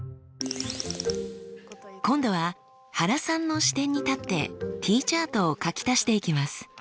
今度は原さんの視点に立ってＴチャートを書き足していきます。